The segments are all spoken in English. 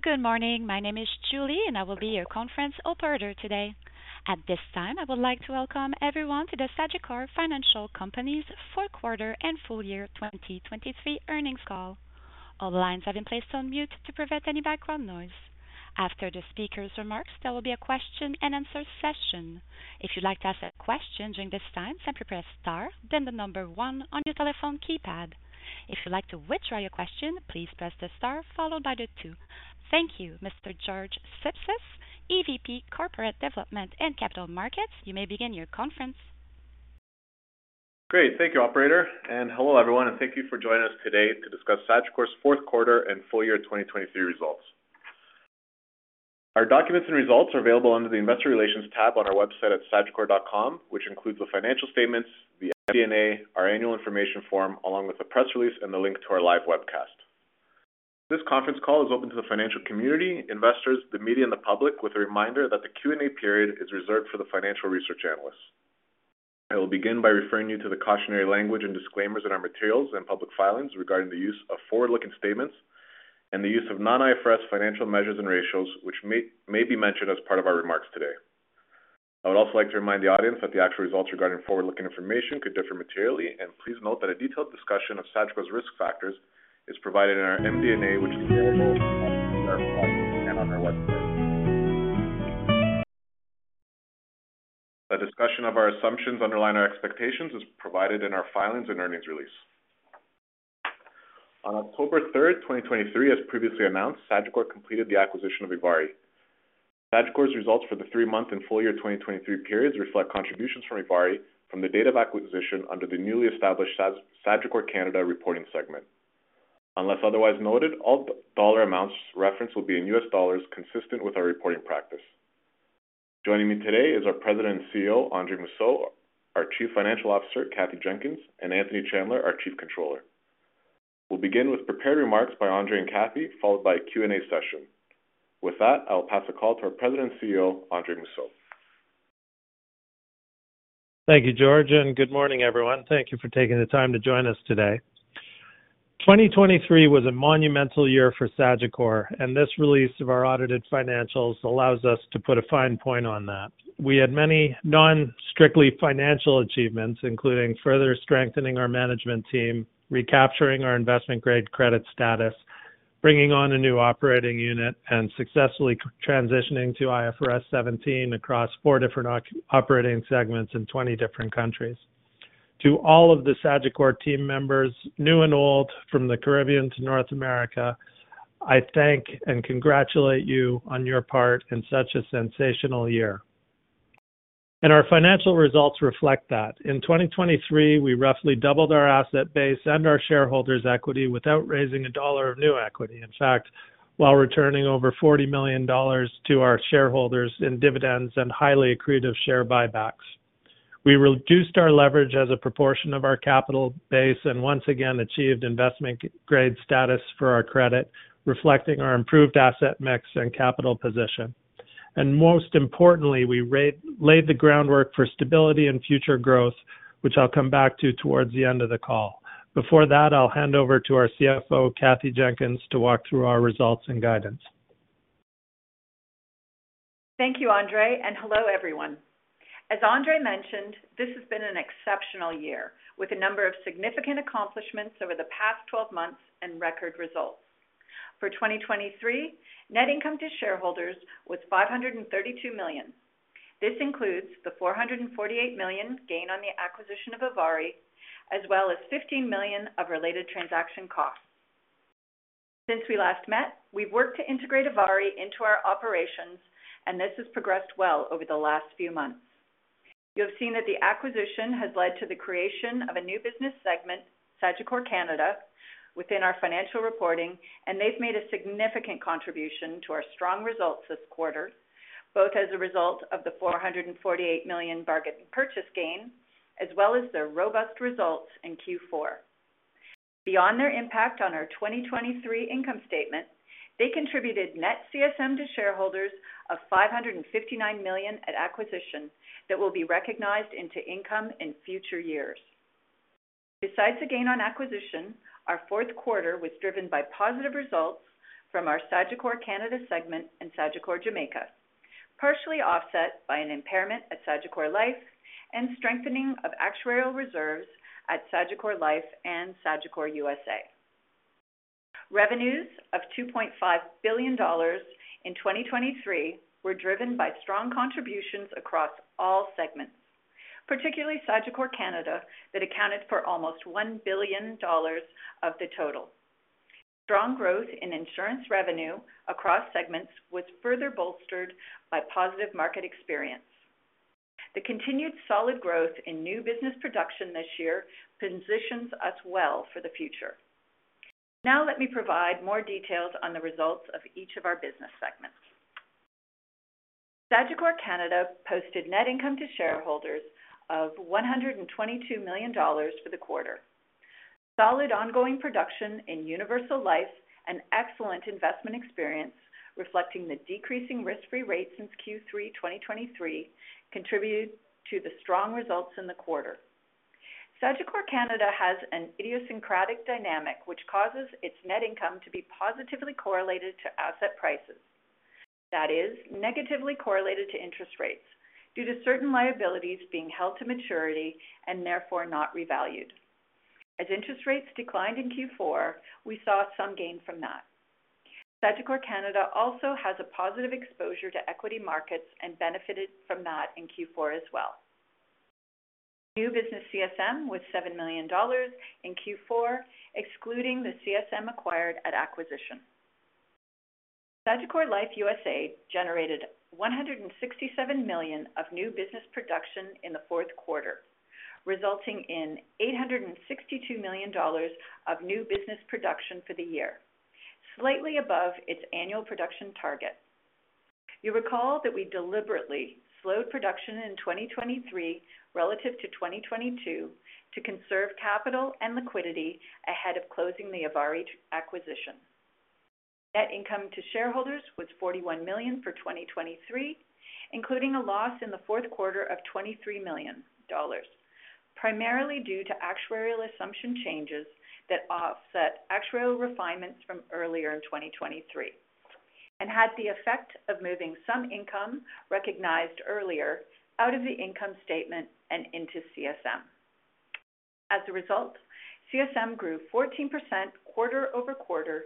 Good morning. My name is Julie and I will be your conference operator today. At this time I would like to welcome everyone to the Sagicor Financial Company's Fourth Quarter and Full Year 2023 Earnings Call. All lines have been placed on mute to prevent any background noise. After the speaker's remarks, there will be a question and answer session. If you'd like to ask a question during this time, simply press star, then the number one on your telephone keypad. If you'd like to withdraw your question, please press the star followed by the two. Thank you. Mr. George Sipsis, EVP Corporate Development and Capital Markets. You may begin your conference. Great. Thank you, Operator, and hello everyone and thank you for joining us today to discuss Sagicor's fourth quarter and full year 2023 results. Our documents and results are available under the investor relations tab on our website at sagicor.com, which includes the financial statements, the MD&A, our annual information form, along with a press release and the link to our live webcast. This conference call is open to the financial community, investors, the media and the public with a reminder that the Q and A period is reserved for the financial research analysts. I will begin by referring you to the cautionary language and disclaimers in our materials and public filings regarding the use of forward-looking statements and the use of non-IFRS financial measures and ratios which may be mentioned as part of our remarks today. I would also like to remind the audience that the actual results regarding forward-looking information could differ materially. Please note that a detailed discussion of Sagicor's risk factors is provided in our MD&A, which is available on our platform and on our website. A discussion of our assumptions underlying our expectations is provided in our filings and earnings release. On October 3rd, 2023, as previously announced, Sagicor completed the acquisition of ivari. Sagicor's results for the three-month and full-year 2023 periods reflect contributions from ivari from the date of acquisition under the newly established Sagicor's Canada reporting segment. Unless otherwise noted, all dollar amounts referenced will be in U.S. dollars, consistent with our reporting practice. Joining me today is our President and CEO, Andre Mousseau, our Chief Financial Officer, Kathy Jenkins, and Anthony Chandler, our Chief Controller. We'll begin with prepared remarks by Andre and Kathy, followed by a Q and A session. With that, I will pass the call to our President and CEO Andre Mousseau. Thank you, George, and good morning everyone. Thank you for taking the time to join us today. 2023 was a monumental year for Sagicor and this release of our audited financials allows us to put a fine point on that. We had many non-strictly financial achievements including further strengthening our management team, recapturing our investment-grade credit status, bringing on a new operating unit and successfully transitioning to IFRS 17 across 4 different operating segments in 20 different countries. To all of the Sagicor team members new and old from the Caribbean to North America, I thank and congratulate you on your part in such a sensational year, and our financial results reflect that. In 2023 we roughly doubled our asset base and our shareholders' equity without raising a dollar of new equity. In fact, while returning over $40 million to our shareholders in dividends and highly accretive share buybacks, we reduced our leverage as a proportion of our capital base and once again achieved investment grade status for our credit, reflecting our improved asset mix and capital position. And most importantly, we laid the groundwork for stability and future growth, which I'll come back to toward the end of the call. But before that I'll hand over to our CFO Kathy Jenkins to walk through our results and guidance. Thank you Andre and hello everyone. As Andre mentioned, this has been an exceptional year with a number of significant accomplishments over the past 12 months and record results for 2023. Net income to shareholders was $532 million. This includes the $448 million gain on the acquisition of ivari as well as $15 million of related transaction costs. Since we last met, we've worked to integrate ivari into our operations and this has progressed well over the last few months. You have seen that the acquisition has led to the creation of a new business segment, Sagicor Canada, within our financial reporting and they've made a significant contribution to our strong results this quarter both as a result of the $448 million bargain purchase gain as well as their robust results in Q4. Beyond their impact on our 2023 income statement, they contributed net CSM to shareholders of $559 million at acquisition that will be recognized into income in future years. Besides the gain on acquisition, our fourth quarter was driven by positive results from our Sagicor Canada segment and Sagicor Jamaica, partially offset by an impairment at Sagicor Life and strengthening of actuarial reserves at Sagicor Life and Sagicor USA. Revenues of $2.5 billion in 2023 were driven by strong contributions across all segments, particularly Sagicor Canada that accounted for almost $1 billion of the total. Strong growth in insurance revenue across segments was further bolstered by plus the continued solid growth in new business production this year positions us well for the future. Now let me provide more details on the results of each of our business segments. Sagicor Canada posted net income to shareholders of $122 million for the quarter. Solid ongoing production in Universal Life and excellent investment experience reflecting the decreasing risk-free rate since Q3 2023 contributed to the strong results in the quarter. Sagicor Canada has an idiosyncratic dynamic which causes its net income to be positively correlated to asset prices, that is negatively correlated to interest rates due to certain liabilities being held to maturity and therefore not revalued. As interest rates declined in Q4, we saw some gain from that. Sagicor Canada also has a positive exposure to equity markets and benefited from that in Q4 as well. New business CSM was $7 million in Q4 excluding the CSM acquired at acquisition. Sagicor Life USA generated $167 million of new business production in the fourth quarter, resulting in $862 million of new business production for the year, slightly above its annual production target. You recall that we deliberately slowed production in 2023 relative to 2022 to conserve capital and liquidity ahead of closing the ivari acquisition. Net income to shareholders was $41 million for 2023 including a loss in the fourth quarter of $23 million primarily due to actuarial assumption changes that offset actuarial refinements from earlier in 2023 and had the effect of moving some income recognized earlier out of the income statement and into CSM. As a result, CSM grew 14% quarter-over-quarter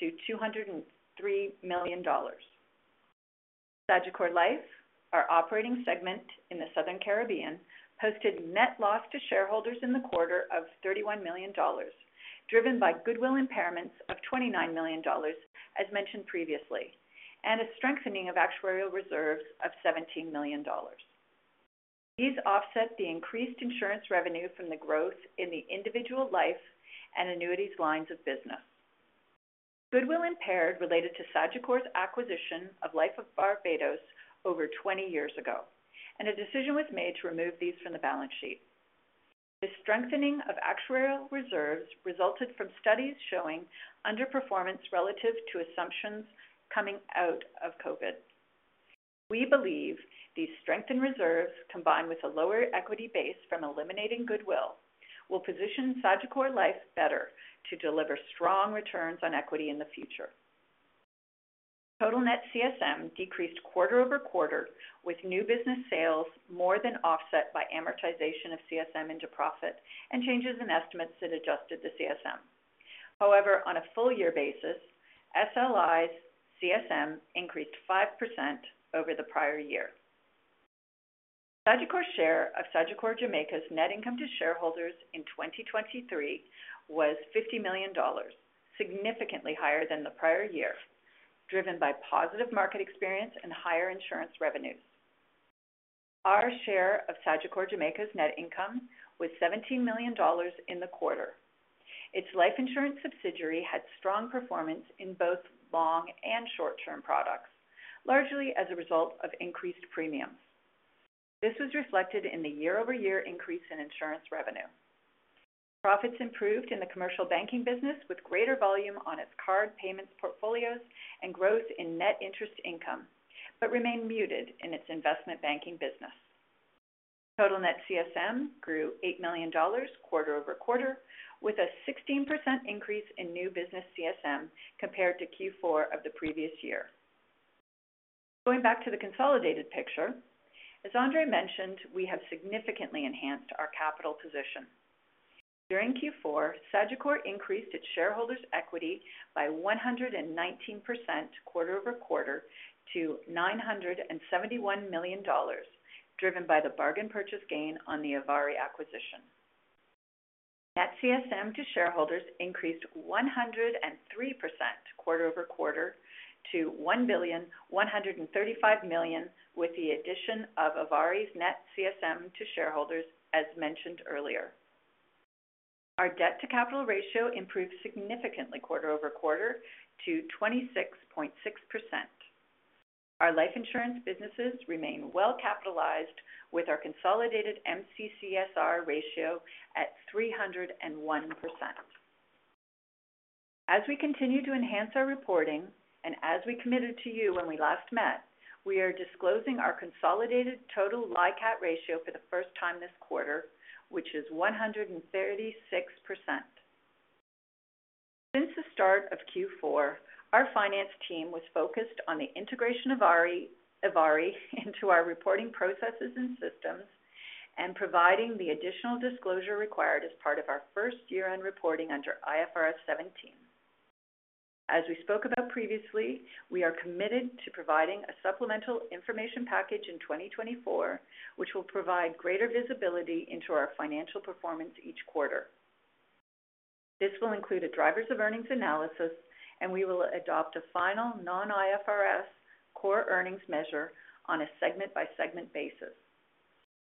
to $203 million. Sagicor Life, our operating segment in the southern Caribbean, posted net loss to shareholders in the quarter of $31 million driven by goodwill impairments of $29 million as mentioned previously and a strengthening of actuarial reserves of $17 million. These offset the increased insurance revenue from the growth in the individual life and annuities lines of business. Goodwill impaired related to Sagicor's acquisition of Life of Barbados over 20 years ago and a decision was made to remove these from the balance sheet. The strengthening of actuarial reserves resulted from studies showing underperformance relative to assumptions coming out of COVID. We believe these strengthened reserves combined with a lower equity base from eliminating goodwill will position Sagicor Life better to deliver strong returns on equity in the future. Total net CSM decreased quarter-over-quarter with new business sales more than offset by amortization of CSM into profit and changes in estimates that adjusted the CSM. However, on a full year basis, SLI's CSM increased 5% over the prior year. Sagicor's share of Sagicor Jamaica's net income to shareholders in 2023 was $50 million, significantly higher than the prior year driven by positive market experience and higher insurance revenues. Our share of Sagicor Jamaica's net income was $17 million in the quarter. Its life insurance subsidiary had strong performance in both long- and short-term products largely as a result of increased premiums. This was reflected in the year-over-year increase in insurance revenue. Profits improved in the commercial banking business with greater volume on its card payments portfolios and growth in net interest income, but remained muted in its investment banking business. Total net CSM grew $8 million quarter-over-quarter with a 16% increase in new business CSM compared to Q4 of the previous year. Going back to the consolidated picture, as Andre mentioned, we have significantly enhanced our capital position during Q4. Sagicor increased its shareholders equity by 119% quarter-over-quarter to $971 million driven by the bargain purchase gain on the ivari acquisition. Net CSM to shareholders increased 103% quarter-over-quarter to $1,135,000,000 with the addition of ivari's net CSM to shareholders. As mentioned earlier, our debt to capital ratio improved significantly quarter-over-quarter to 26%. Our life insurance businesses remain well capitalized with our consolidated MCCSR ratio at 301%. As we continue to enhance our reporting and as we committed to you when we last met, we are disclosing our consolidated total LICAT ratio for the first time this quarter which is 136%. Since the start of Q4, our finance team was focused on the integration of ivari into our reporting processes and systems and providing the additional disclosure required as part of our first year-end reporting under IFRS 17. As we spoke about previously, we are committed to providing a supplemental information package in 2024 which will provide greater visibility into our financial performance each quarter. This will include a drivers of earnings analysis and we will adopt a final non-IFRS core earnings measure on a segment by segment basis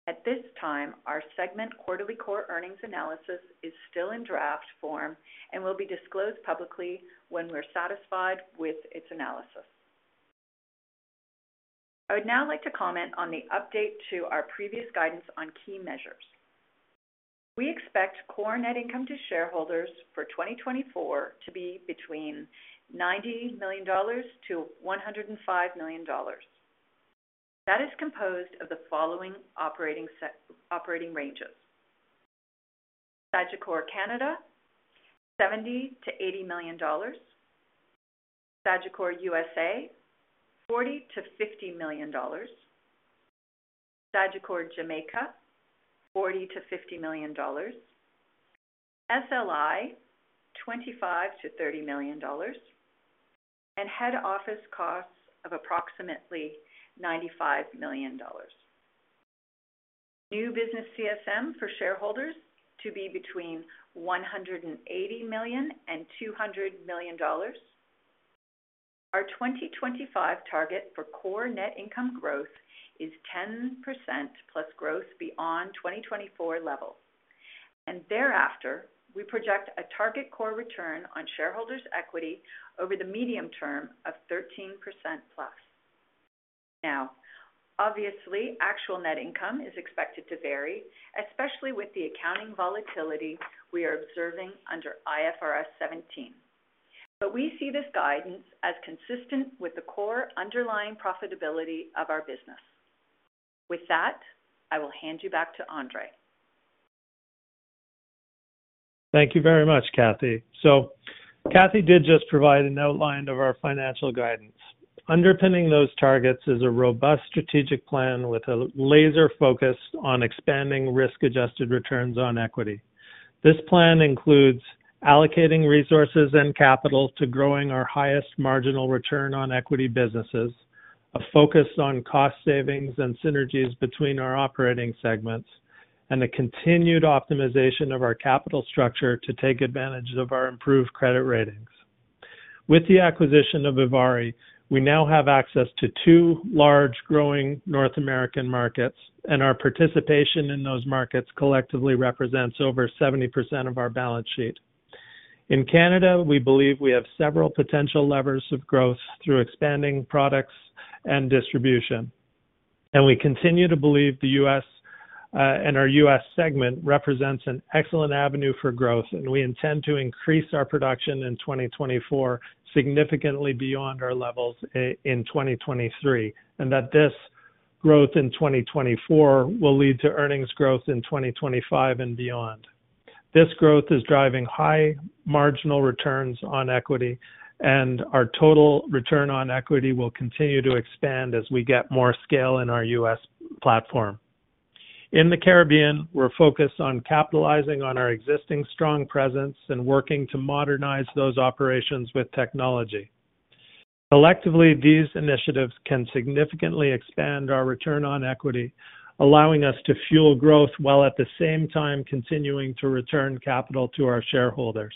at this time. Our segment quarterly Core Earnings analysis is still in draft form and will be disclosed publicly when we're satisfied with its analysis. I would now like to comment on the update to our previous guidance on key measures. We expect core net income to shareholders for 2024 to be between $90 million-$105 million. That is composed of the following operating Sagicor Canada $70 million-$80 million Sagicor USA $40 million-$50 million Sagicor Jamaica $40 million-$50 million SLI $25 million-$30 million and head office costs of approximately $95 million. New business CSM for shareholders to be between $180 million and $200 million. Our 2025 target for core net income growth is 10% plus growth beyond 2024 level and thereafter. We project a target core return on shareholders' equity over the medium term of 13%+. Now, obviously actual net income is expected to vary, especially with the accounting volatility we are observing under IFRS 17, but we see this guidance as consistent with the core underlying profitability of our business. With that, I will hand you back to Andre. Thank you very much, Kathy. Kathy did just provide an outline of our financial guidance. Underpinning those targets is a robust strategic plan with a laser focus on expanding risk adjusted returns on equity. This plan includes allocating resources and capital to growing our highest marginal return on equity businesses, a focus on cost savings and synergies between our operating segments, and the continued optimization of our capital structure to take advantage of our improved credit ratings. With the acquisition of ivari, we now have access to two large growing North American markets and our participation in those markets collectively represents over 70% of our balance sheet. In Canada, we believe we have several potential levers of growth through expanding products and distribution, and we continue to believe the U.S. and our U.S. segment represents an excellent avenue for growth, and we intend to increase our production in 2024 significantly beyond our levels in 2023, and that this growth in 2024 will lead to earnings growth in 2025 and beyond. This growth is driving high marginal returns on equity, and our total return on equity will continue to expand as we get more scale in our U.S. platform. In the Caribbean, we're focused on capitalizing on our existing strong presence and working to modernize those operations with technology. Collectively, these initiatives can significantly expand our return on equity, allowing us to fuel growth while at the same time continuing to return capital to our shareholders.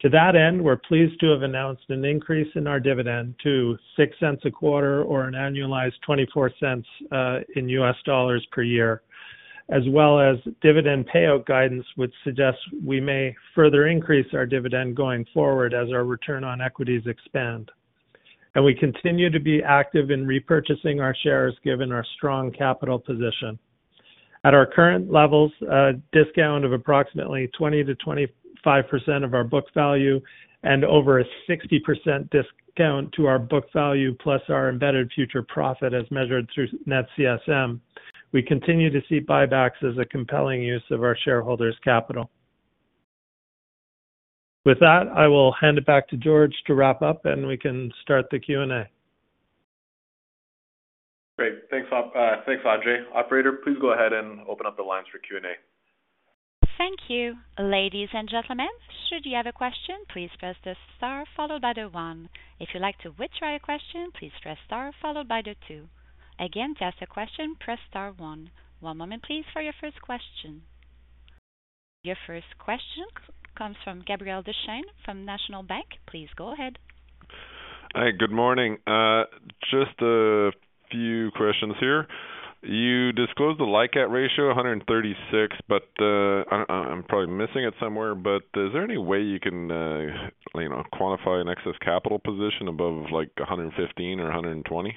To that end, we're pleased to have announced an increase in our dividend to $0.06 a quarter or an annualized $0.24 in U.S. dollars per year, as well as dividend payout guidance which suggests we may further increase our dividend going forward as our return on equities expand and we continue to be active in repurchasing our shares. Given our strong capital position at our current levels discount of approximately 20%-25% of our book value and over a 60% discount to our book value plus our embedded future profit as measured through net CSM. We continue to see buybacks as a compelling use of our shareholders capital. With that I will hand it back to George to wrap up and we can start the Q and A. Great, thanks. Thanks, Andre. Operator, please go ahead and open up the lines for Q and A. Thank you. Ladies and gentlemen, should you have a question please press the star followed by the one. If you like to retry a question please press star followed by the two. Again to ask a question press star one. One moment please for your first question. Your first question comes from Gabriel Dechaine from National Bank. Please go ahead. Hi, good morning. Just a few questions here. You disclosed the LICAT ratio 136% but I'm probably missing it somewhere. But is there any way you can quantify an excess capital position above LICAT 115% or 120%?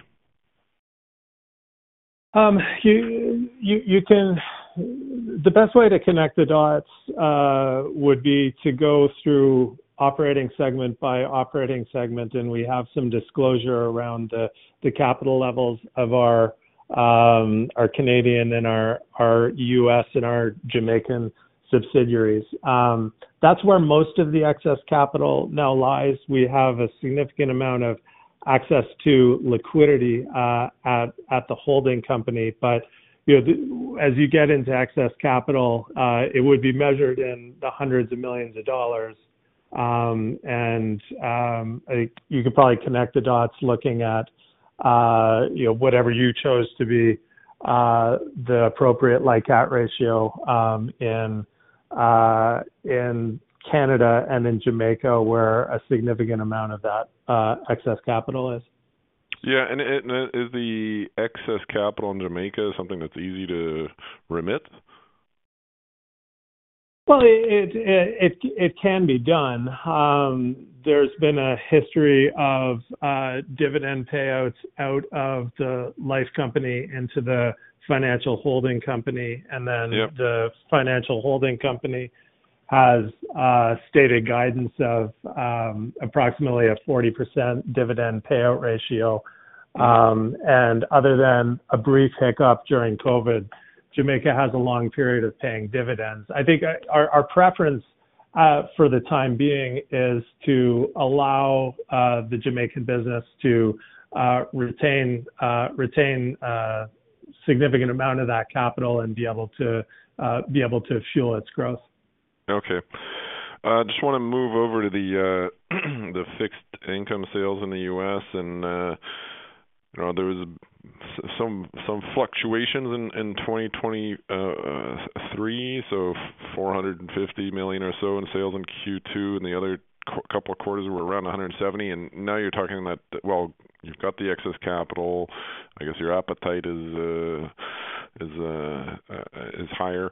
The best way to connect the dots would be to go through operating segment by operating segment. We have some disclosure around the capital levels of our Canadian and our U.S. and our Jamaican subsidiaries. That's where most of the excess capital now lies. We have a significant amount of access to liquidity at the holding company. But as you get into excess capital it would be measured in hundreds of millions of dollars and you could probably connect the dots looking at whatever you chose to be the appropriate LICAT ratio in Canada and in Jamaica where a significant amount of that excess capital is. Yeah. And is the excess capital in Jamaica something that's easy to remit? Well, it can be done. There's been a history of dividend payouts out of the life company into the financial holding company. And then the financial holding company has stated guidance of approximately a 40% dividend payout ratio. And other than a brief hiccup during COVID Jamaica has a long period of paying dividends. I think our preference for the time being is to allow the Jamaican business to retain significant amount of that capital and be able to fuel its growth. Okay, I just want to move over to the fixed income sales in the U.S. and there was some fluctuations in 2023 so $450 million or so in sales in Q2 and the other couple of quarters were around $170 million. And now you're talking that well you've got the excess capital. I guess your appetite is higher.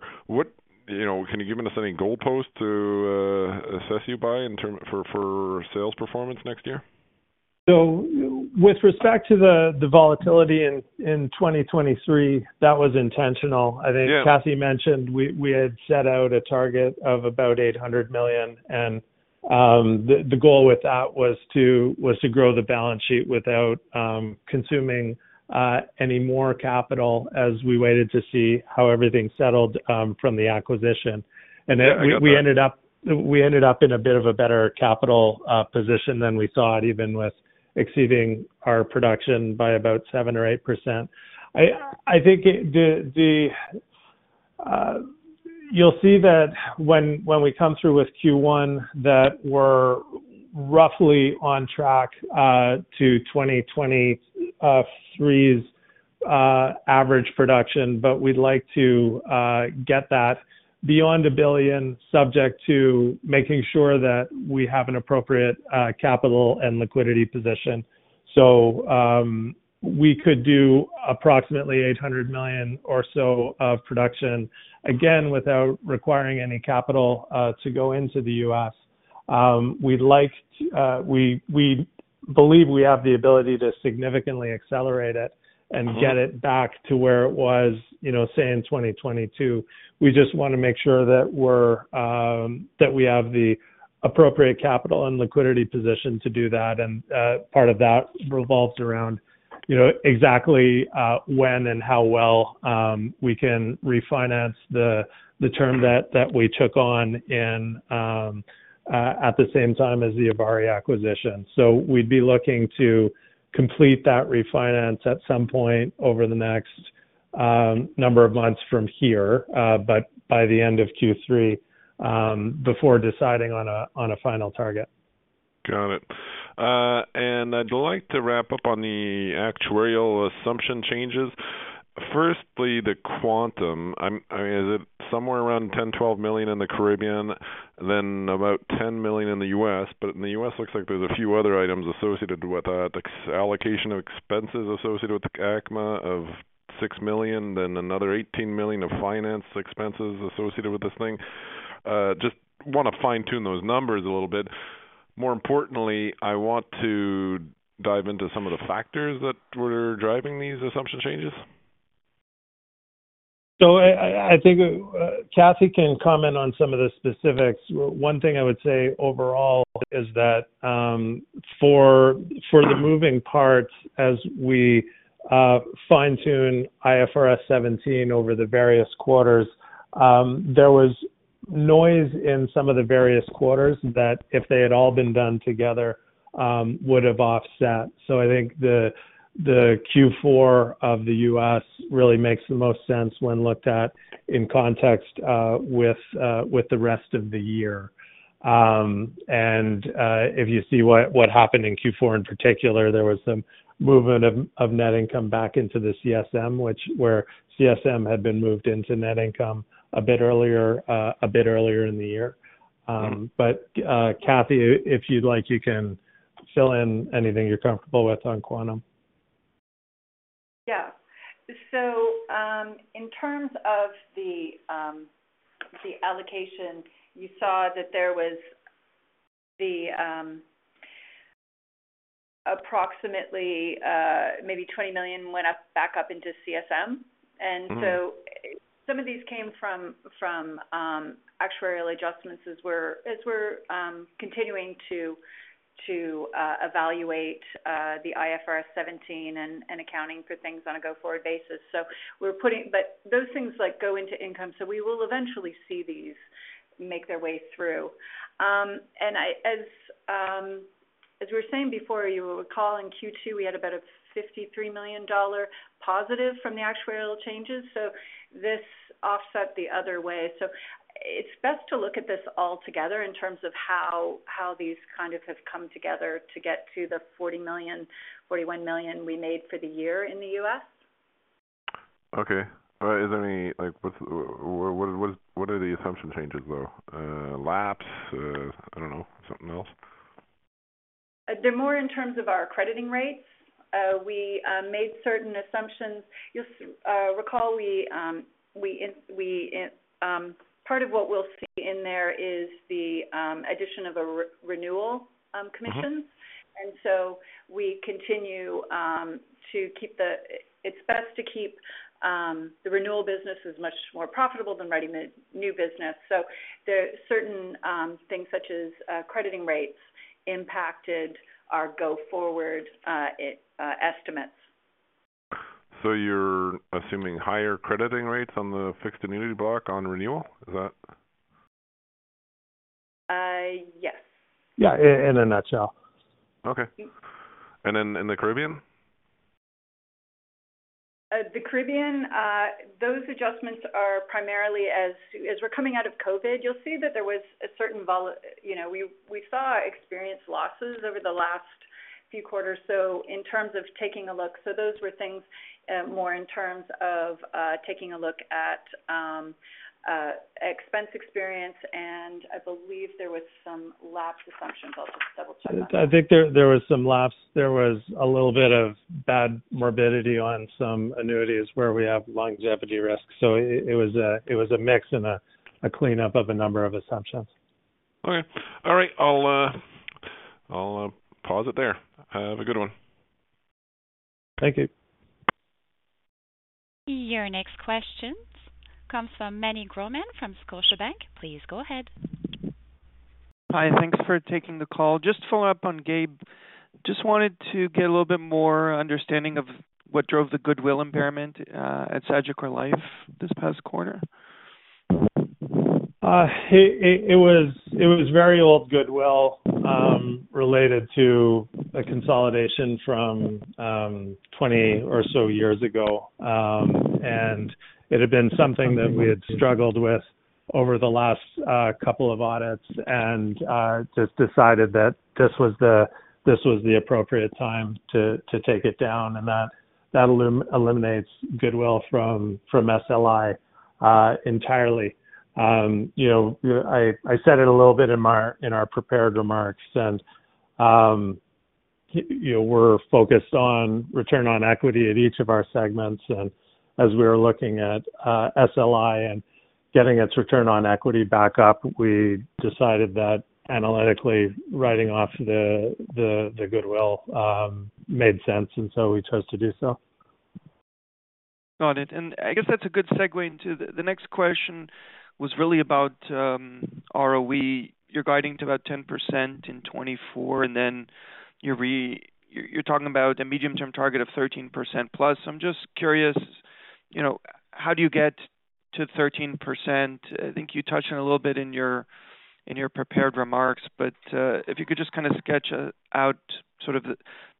Can you give us any goalposts to assess you by for sales performance next year? With respect to the volatility in 2023? That was intentional. I think Kathy mentioned we had set out a target of about $800 million and the goal with that was to grow the balance sheet without consuming any more capital. As we waited to see how everything settled from the acquisition and we ended up in a bit of a better capital position than we thought, even with exceeding our production by about 7% or 8%. I think you'll see that when we come through with Q1 that we're roughly on track to 2023's average production. But we'd like to get that beyond a billion, subject to making sure that we have an appropriate capital and liquidity position. So we could do approximately $800 million or so of production, again without requiring any to go into the U.S. we'd like. We believe we have the ability to significantly accelerate it and get it back to where it was, you know, say in 2022. We just want to make sure that we have the appropriate capital and liquidity position to do that. And part of that revolves around, you know, exactly when and how well we can refinance the term that we took on at the same time as the ivari acquisition. So we'd be looking to complete that refinance at some point over the next number of months from here, but by the end of Q3 before deciding on a final target. Got it. I'd like to wrap up on the actuarial assumption changes. Firstly, the quantum. Is it somewhere around $10 million-$12 million in the Caribbean, then about $10 million in the U.S. In the U.S. looks like there's a few other items associated with that allocation of expenses associated with ACMA of $6 million, then another $18 million of finance expenses associated with this thing. Just want to fine tune those numbers a little bit. More importantly, I want to dive into some of the factors that were driving these assumption changes. So I think Kathy can comment on some of the specifics. One thing I would say overall is that for the moving parts, as we fine tune IFRS 17 over the various quarters, there was noise in some of the various quarters that if they had all been done together, would have offset. So I think the Q4 of the U.S. really makes the most sense when looked at in context with the rest of the year. And if you see what happened in Q4 in particular, there was some movement of net income back into the CSM, which where CSM had been moved into net income a bit earlier in the year. But Kathy, if you'd like, you can fill in anything you're comfortable with on quantum. Yeah. So in terms of the allocation, you saw that there was approximately maybe $20 million went back up into CSM. And so some of these came from actuarial adjustments. As we're continuing to evaluate the IFRS 17 and accounting for things on a go forward basis. So we're putting. But those things go into income. So we will eventually see these make their way through. And as we were saying before, you will recall in Q2, we had about a $53 million positive from the actuarial changes. So this offset the other way. So it's best to look at this altogether in terms of how these kind of have come together to get to the $40 million-$41 million we made for the year in the U.S. Okay. Is there any? What are the assumption changes, though? Lapse? I don't know. Something else. They're more in terms of our crediting rates. We made certain assumptions. You'll recall, part of what we'll see in there is the addition of a renewal commission. And so we continue to keep the. It's best to keep the renewal business as much more profitable than writing the new business. So there are certain things, such as crediting rates, impacted our go forward estimates. So you're assuming higher crediting rates on the fixed annuity block on renewal. Is that? Yes? Yeah, in a nutshell. Okay. And then in the Caribbean. The Caribbean, those adjustments are primarily as we're coming out of COVID. You'll see that there was a certain, you know, we saw experience losses over the last few quarters. So in terms of taking a look. So those were things more in terms of taking a look at expense experience. And I believe there was some lapse assumptions. I'll just double check. I think there was some lapse. There was a little bit of bad morbidity on some annuities where we have longevity risk. So it was a mix and a cleanup of a number of assumptions. Okay, all right, I'll pause it there. Have a good one. Thank you. Your next question comes from Meny Grauman from Scotiabank. Please go ahead. Hi. Thanks for taking the call. Just to follow up on Gabe. Just wanted to get a little bit more understanding of what drove the goodwill impairment at Sagicor Life this past quarter. It was very old goodwill related to a consolidation from 20 or so years ago. It had been something that we had struggled with over the last couple of audits and just decided that this was the appropriate time to take it down and that that eliminates goodwill from SLI entirely. I said it a little bit in our prepared remarks and we're focused on return on equity at each of our segments. As we were looking at SLI and getting its return on equity back up, we decided that analytically writing off the goodwill made sense. So we chose to do so. Got it. I guess that's a good segue into the next question, which was really about ROE. You're guiding to about 10% in 2024 and then you're talking about a medium-term target of 13%+. I'm just curious, how do you get to 13%? I think you touched on a little bit in your prepared remarks, but if you could just kind of sketch out sort of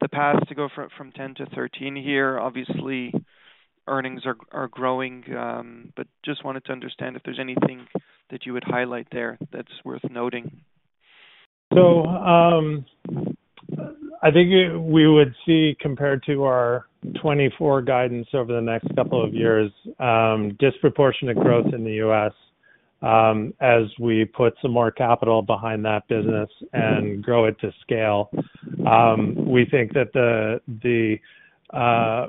the path to go from 10% to 13% here. Obviously earnings are growing, but just wanted to understand if there's anything that you would highlight there that's worth noting. So I think we would see compared to our 2024 guidance over the next couple of years, disproportionate growth in the U.S. as we put some more capital behind that business and grow it to scale. We think that the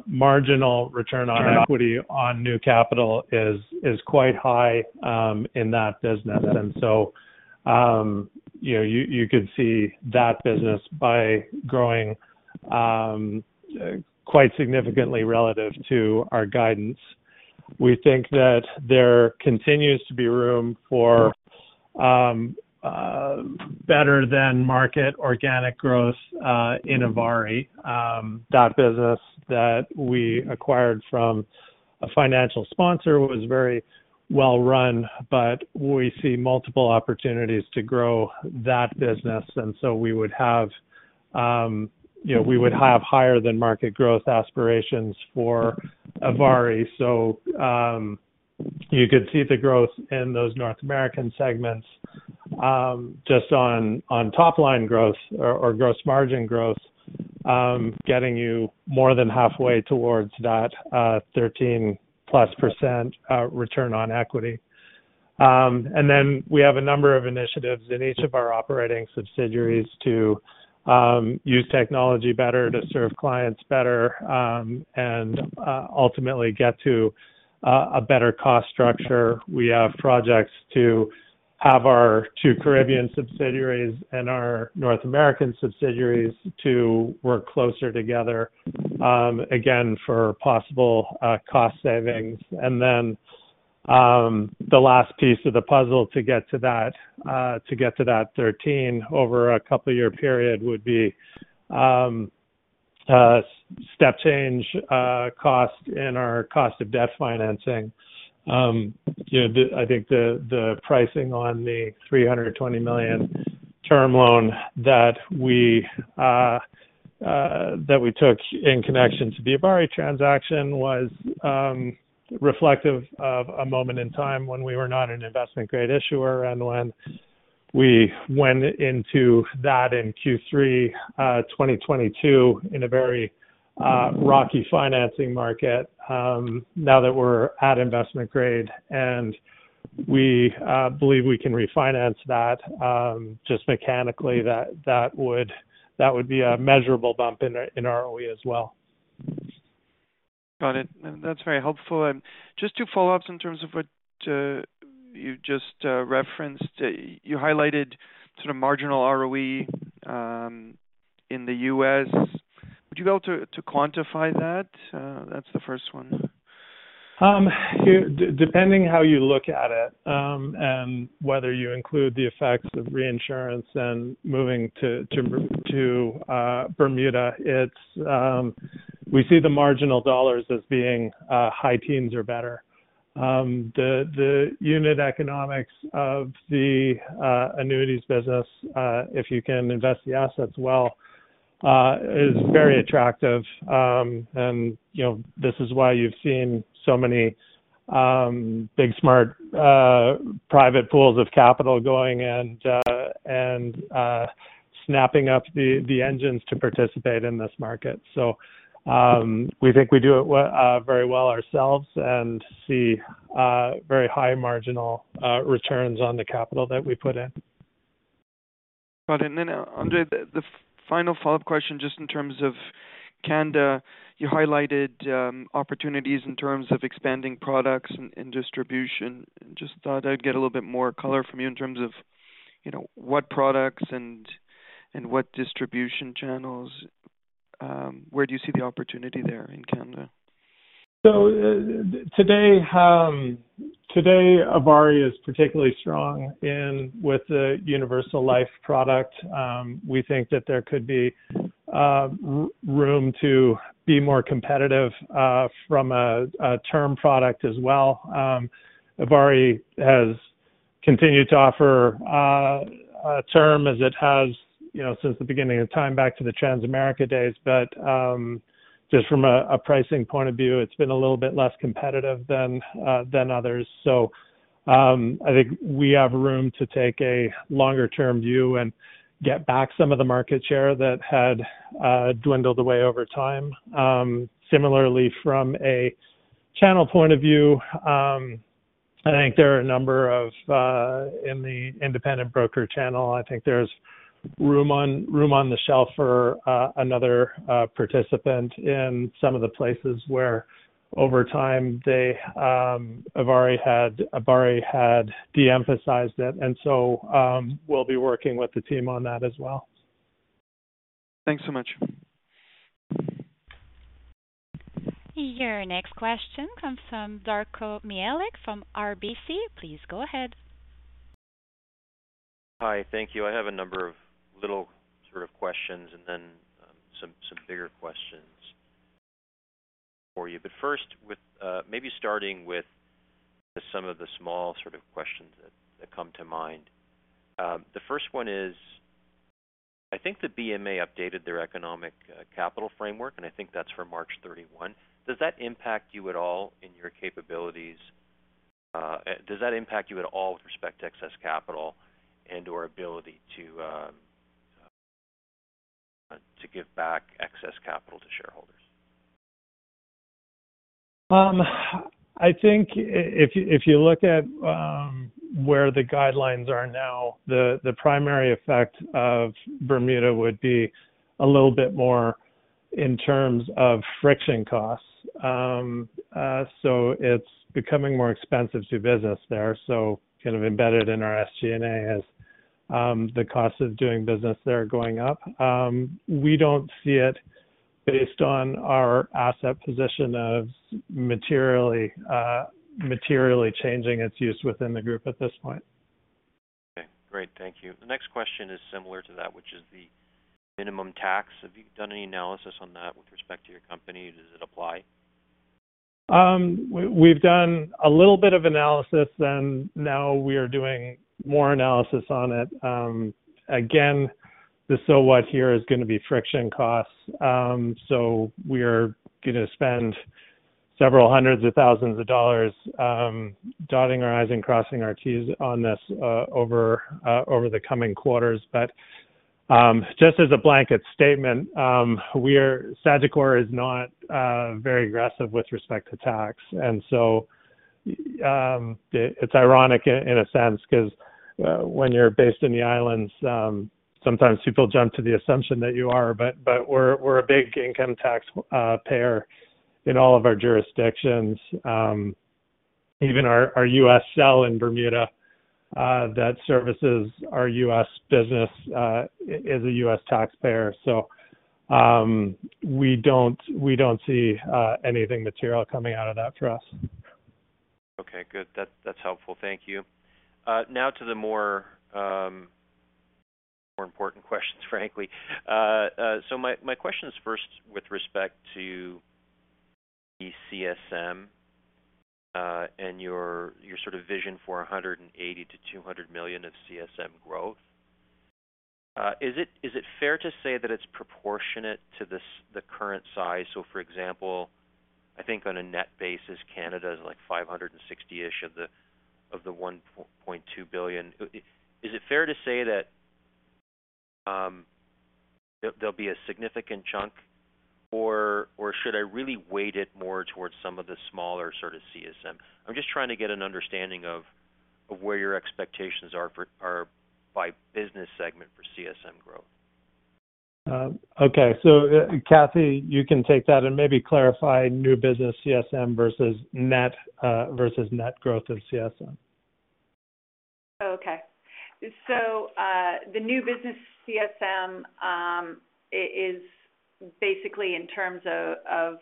marginal return on equity on new capital is quite high in that business. And so you could see that business by growing quite significantly relative to our guidance. We think that there continues to be room for better than market organic growth in ivari. That business that we acquired from a financial sponsor was very well run, but we see multiple opportunities to grow that business. And so we would have, you know, we would have higher than market growth aspirations for ivari. So you could see the growth in those North American segments just on top line growth or gross margin growth, getting you more than halfway towards that 13+% return on equity. And then we have a number of initiatives in each of our operating subsidiaries to use technology better, to serve clients better and ultimately get to a better cost structure. We have projects to have our two Caribbean subsidiaries and our North American subsidiaries to work closer together again for possible cost savings. And then the last piece of the puzzle to get to that 13% over a couple year period would be step change cost in our cost of debt financing. I think the pricing on the $320 million term loan that we took in connection to the ivari transaction was reflective of a moment in time when we were not an investment grade issuer. When we went into that in Q3 2022 in a very rocky financing market, now that we're at investment grade and we believe we can refinance that just mechanically, that would be a measurable bump in ROE as well. Got it. That's very helpful. And just two follow ups in terms of what you just referenced. You highlighted sort of marginal ROE in the U.S. Would you be able to quantify that? That's the first one. Depending how you look at it and whether you include the effects of reinsurance and moving to Bermuda, we see the marginal dollars as being high. Teens are better. The unit economics of the annuities business, if you can invest the assets well, is very attractive. And you know, this is why you've seen so many big smart private pools of capital going and snapping up the engines to participate in this market. So we think we do it very well ourselves and see very high marginal returns on the capital that we put in. Got it. And then Andre, the final follow-up question, just in terms of Canada, you highlighted opportunities in terms of expanding products and distribution. Just thought I'd get a little bit more color from you in terms of what products and what distribution channels. Where do you see the opportunity there in Canada? So today, today ivari is particularly strong with the Universal Life product. We think that there could be room to be more competitive from a term product as well. ivari has continue to offer term as it has, you know, since the beginning of time, back to the Transamerica days. But just from a pricing point of view it's been a little bit less competitive than others. So I think we have room to take a longer term view and get back some of the market share that had dwindled away over time. Similarly, from a channel point of view, I think there are a number of in the independent broker channel, I think there's room on the shelf for another participant in some of the places where over time they ivari had de-emphasized it. And so we'll be working with the team on that as well. Thanks so much. Your next question comes from Darko Mihelic from RBC. Please go ahead. Hi. Thank you. I have a number of little sort of questions and then some bigger questions for you. But first maybe starting with some of the small sort of questions that come to mind. The first one is I think the BMA updated their economic capital framework and I think that's for March 31. Does that impact you at all in your capabilities? Does that impact you at all with respect to excess capital and, or ability to give back excess capital to shareholders? I think if you look at where the guidelines are now, the primary effect of Bermuda would be a little bit more in terms of friction costs. So it's becoming more expensive to do business there. So kind of embedded in our SG&A as the cost of doing business there going up, we don't see it based on our asset position as materially changing its use within the group at this point. Great, thank you. The next question is similar to that, which is the minimum tax. Have you done any analysis on that with respect to your company? Does it apply? We've done a little bit of analysis and now we are doing more analysis on it. Again, the so what here is going to be friction costs. So we are going to spend several hundreds of thousands of dollars dotting our I's and crossing our T's on this over the coming quarters. But just as a blanket statement, Sagicor is not very aggressive with respect to tax. And so it's ironic in a sense because when you're based in the islands, sometimes people jump to the assumption that you are. But we're a big income tax payer in all of our jurisdictions. Even our U.S. cell in Bermuda that services our U.S. business is a U.S. taxpayer. So we don't see anything material coming out of that for us. Okay, good, that's helpful. Thank you. Now to the more important questions, frankly. So my question is first with respect to CSM and your sort of vision for $180 million-$200 million of CSM growth, is it fair to say that it's proportionate to the current size? So for example, I think on a net basis Canada is like $560 million-ish of the $1.2 billion. Is it fair to say that there'll be a significant chunk or should I really weight it more towards some of the smaller sort of CSM? I'm just trying to get an understanding of where your expectations are by business segment for CSM growth. Okay, so Kathy, you can take that and maybe clarify new business CSM versus net versus net growth of CSM. Okay, so the new business CSM is basically in terms of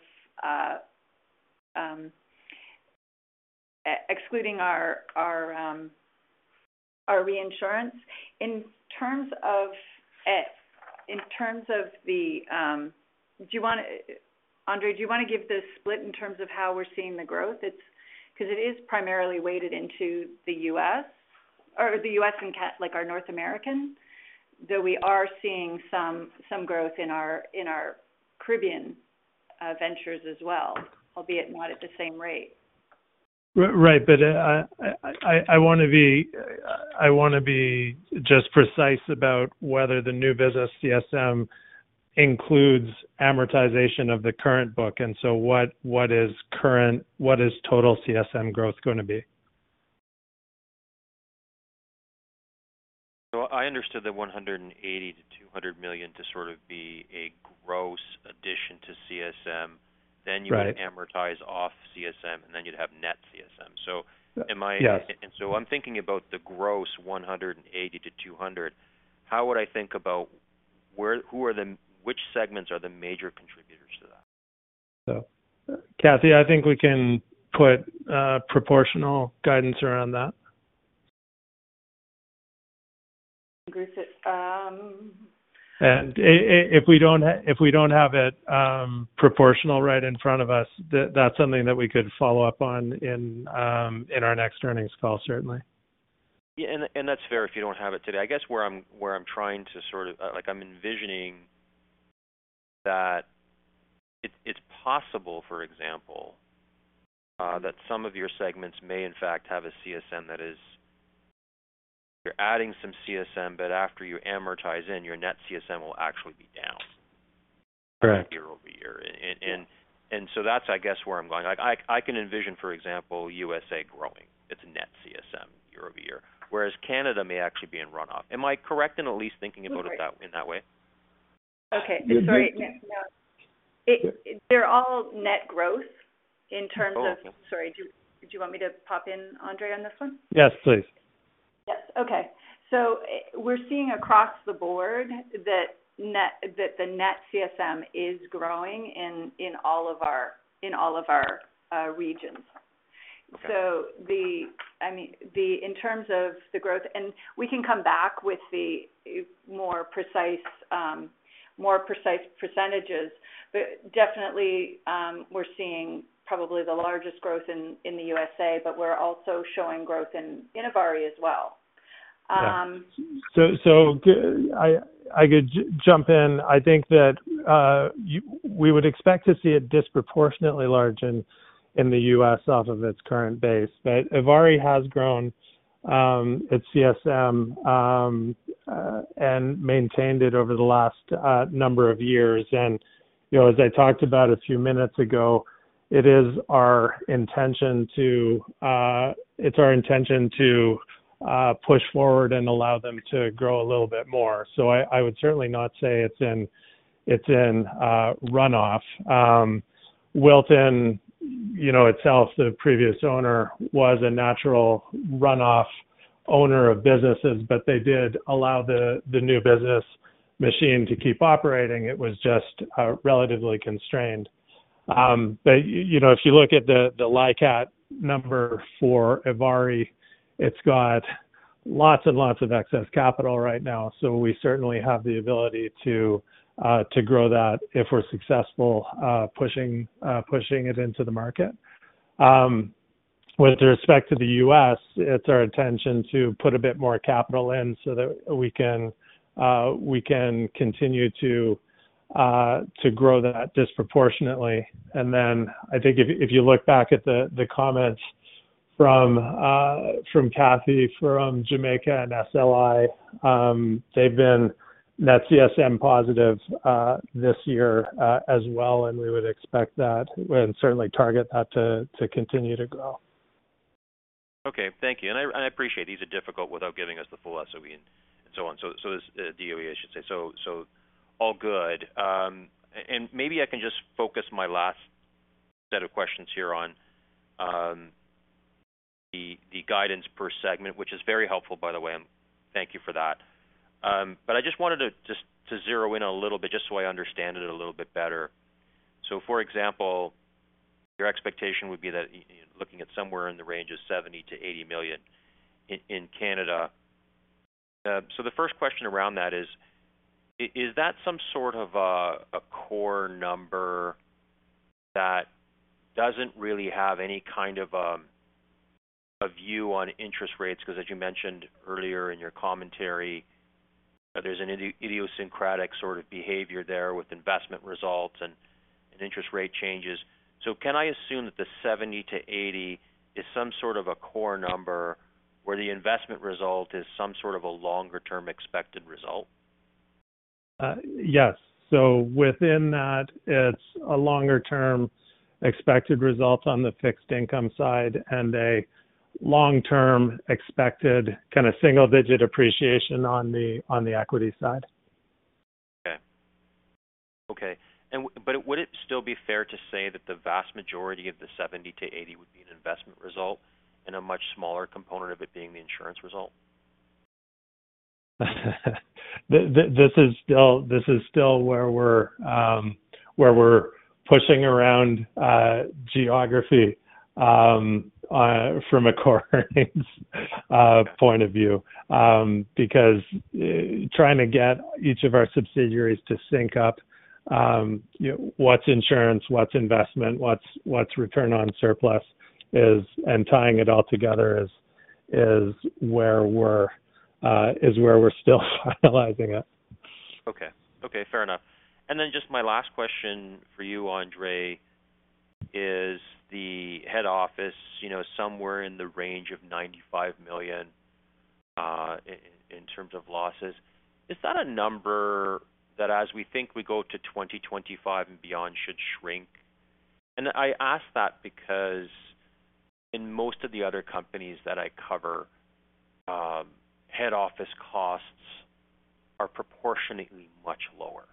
excluding our reinsurance in terms of the. Andre, do you want to give the split in terms of how we're seeing the growth? Because it is primarily weighted into the U.S. or the U.S. and like our North American though, we are seeing some growth in our Caribbean ventures as well, albeit not at the same rate. Right. But I want to be just precise about whether the new business CSM includes amortization of the current book. And so what, what is current, what is total CSM growth going to be? Well, I understood that $180 million-$200 million to sort of be a gross addition to CSM. Then you amortize off CSM and then you'd have net CSM. So am I. Yes. So I'm thinking about the gross $180 million-$200 million. How would I think about which segments are the major contributors to that, Kathy? I think we can put proportional guidance around that. If we don't have it proportional right in front of us, that's something that we could follow up on in our next earnings call, certainly. And that's fair. If you don't have it today, I guess where I'm trying to sort of like I'm envisioning that it's possible, for example, that some of your segments may in fact have a CSM. That is, you're adding some CSM, but after you amortize in your net CSM will actually be down year-over-year. And so that's, I guess, where I'm going. I can envision, for example, USA growing, its net CSM year-over-year, whereas Canada may actually be in runoff. Am I correct in at least thinking about it in that way? Okay, sorry. They're all net growth in terms of. Sorry, do you want me to pop in Andre on this one? Yes, please. Okay, so we're seeing across the board that the net CSM is growing in all of our. In all of our regions. So in terms of the growth, and we can come back with the more precise, more precise percentages, but definitely we're seeing probably the largest growth in the USA, but we're also showing growth in ivari as well. So I could jump in. I think that we would expect to see it disproportionately large in the U.S. off of its current base. But ivari has grown its CSM and maintained it over the last number of years. And you know, as I talked about a few minutes ago, it is our intention to. It's our intention to push forward and allow them to grow a little bit more. So I would certainly not say it's in runoff. Wilton, you know, itself, the previous owner was a natural runoff owner of businesses, but they did allow the new business machine to keep operating. It was just relatively constrained. But you know, if you look at the LICAT number for ivari, it's got lots and lots of excess capital right now. So we certainly have the ability to. To grow that if we're successful pushing it into the market. With respect to the U.S. it's our intention to put a bit more capital in so that we can continue to grow that disproportionately. And then I think if you look back at the comments from Kathy from Jamaica and SLI, they've been net CSM positive this year as well. And we would expect that and certainly target that to continue to grow. Okay, thank you. And I appreciate these are difficult without giving us the full DOE and so on. So, though, I should say so. All good. And maybe I can just focus my last set of questions here on the guidance per segment, which is very helpful by the way, and thank you for that. But I just wanted to just to zero in a little bit, just so I understand it a little bit better. So for example, your expectation would be that looking at somewhere in the range of $70 million-$80 million in Canada. So the first question around that is, is that some sort of a core number that doesn't really have any kind of a view on interest rates? Because as you mentioned earlier in your commentary, there's an idiosyncratic sort of behavior there with investment results and interest rate changes. Can I assume that the $70 million-$80 million is some sort of a core number where the investment result is some sort of a longer term expected result? Yes. So within that it's a longer term expected result on the fixed income side and a long term expected kind of single digit appreciation on the equity side. Okay, okay. But would it still be fair to say that the vast majority of the $70 million-$80 million would be an investment result and a much smaller component of it being the insurance result? This is still where we're pushing around geography from a core earnings point of view because trying to get each of our subsidiaries to sync up what's insurance, what's investment, what's return on surplus and tying it all together is where we're still finalizing it. Okay, okay, fair enough. And then just my last question for you, Andre, is the head office, you know, somewhere in the range of $95 million in terms of losses, is that a number that as we think we go to 2025 and beyond should shrink? And I ask that because in most of the other companies that I cover, head office costs are proportionately much lower.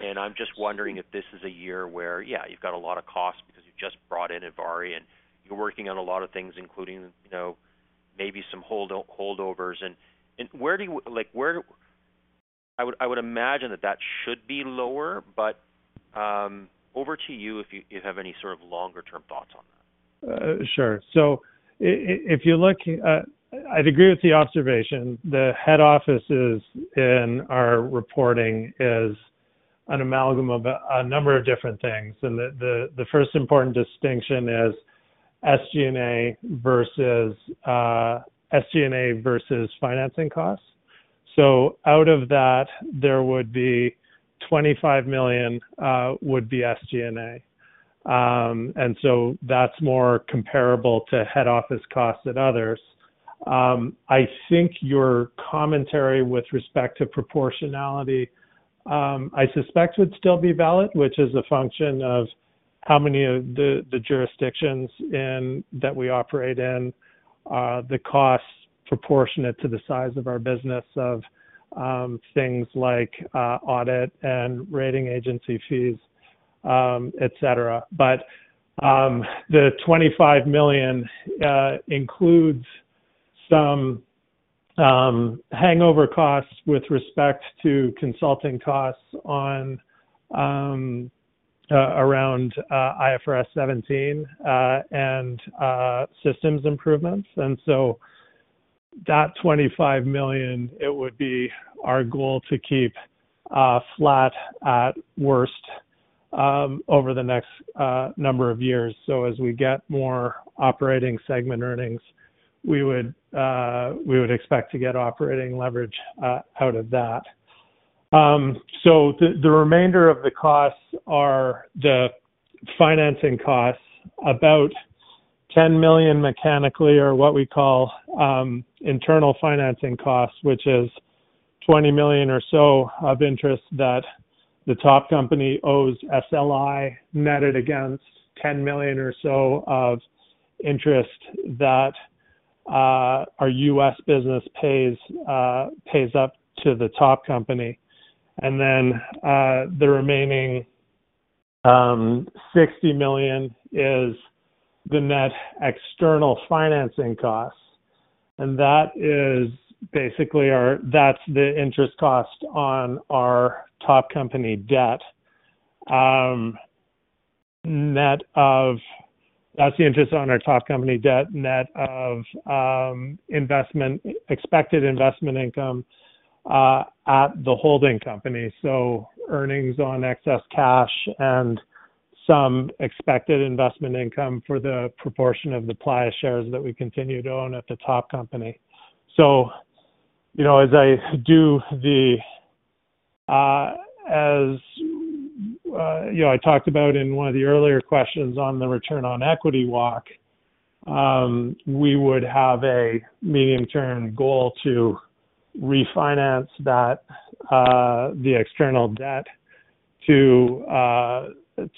And I'm just wondering if this is a year where, yeah, you've got a lot of cost because you just brought in ivari and you're working on a lot of things including, you know, maybe some holdovers and, like, where I would imagine that that should be lower. But over to you if you have any sort of longer term thoughts on that. Sure. So if you look, I'd agree with the observation. The head office is in our reporting is an amalgam of a number of different things. And the first important distinction is SG&A versus SG&A versus financing costs. So out of that there would be $25 million would be SG&A and so that's more comparable to head office costs at others. I think your commentary with respect to proportionality I suspect would still be valid, which is a function of how many of the jurisdictions in that we operate in the costs proportionate to the size of our business of things like audit and rating agency fees, et cetera. But the $25 million includes some hangover costs with respect to consulting costs on around IFRS 17 and systems improvements. And so that $25 million it would be our goal to keep flat at worst over the next number of years. So as we get more operating segment earnings we would expect to get operating leverage out of that. So the remainder of the costs are the financing costs. About $10 million mechanically or what we call internal financing costs, which is $20 million or so of interest that the top company owes SLI netted against $10 million or so of interest that our U.S. business pays up to the top company and then the remaining $60 million is the net external financing costs. And that is basically our that's the interest cost on our top company debt net of that's the interest on our top company debt net of expected investment income at the holding company. So earnings on excess cash and some expected investment income for the proportion of the Playa shares that we continue to own at the top company. So, as you know, I talked about in one of the earlier questions on the return on equity walk, we would have a medium-term goal to refinance that the external debt to a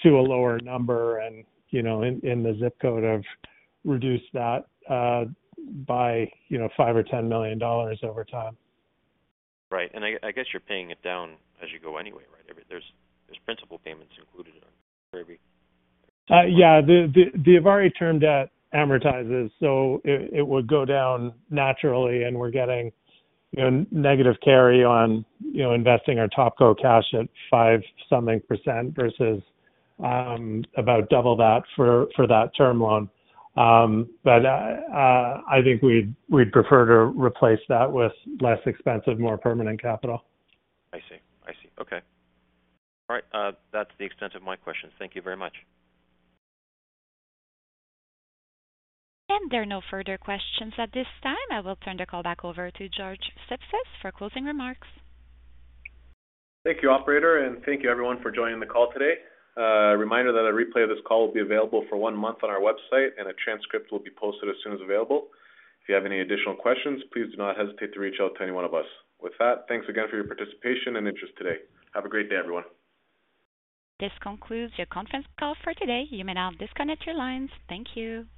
lower number, and you know, in the zip code of reduce that by, you know, $5 million or $10 million over time. Right. I guess you're paying it down as you go anyway. Right? There's principal payments included. Yeah, the ivari term debt amortizes so it would go down naturally and we're getting negative carry on investing our TopCo cash at 5% something versus about double that for that term loan. But I think we'd prefer to replace that with less expensive, more permanent capital. I see, I see. Okay. All right. That's the extent of my questions. Thank you very much. There are no further questions at this time. I will turn the call back over to George Sipsis for closing remarks. Thank you, operator, and thank you, everyone, for joining the call today. Reminder that a replay of this call will be available for one month on our website and a transcript will be posted as soon as available. If you have any additional questions, please do not hesitate to reach out to any one of us with that. Thanks again for your participation and interest today. Have a great day, everyone. This concludes your conference call for today. You may now disconnect your lines. Thank you.